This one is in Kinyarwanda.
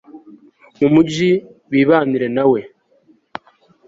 mumuji bibanire nawe…